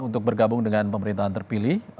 untuk bergabung dengan pemerintahan terpilih